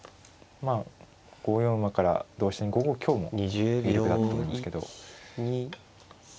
５四馬から同飛車に５五香も有力だったと思いますけど。